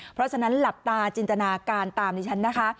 เพราะฉะนั้นหลับตาจินตนาการตามดิฉันนะคะ